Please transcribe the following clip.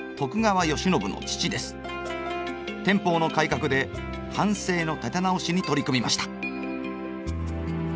天保の改革で藩政の立て直しに取り組みました。